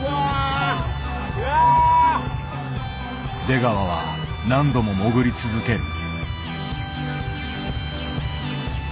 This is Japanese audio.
出川は何度も潜り続ける。